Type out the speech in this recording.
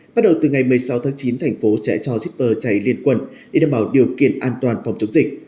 bắt đầu từ ngày một mươi sáu tháng chín thành phố sẽ cho shipper chạy liên quân để đảm bảo điều kiện an toàn phòng chống dịch